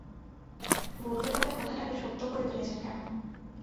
বলতে বলতে কথাটাকে সত্য করে তুলছেন কেন?